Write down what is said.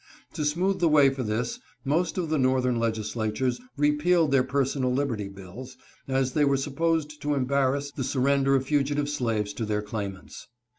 To smooth the way for this, most of the Northern legislatures repealed their personal liberty bills, as they were supposed to embarrass the surrender of fugitive slaves to their claimants.